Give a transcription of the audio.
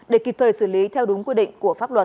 để kịp thời xử lý theo đúng quy định của pháp luật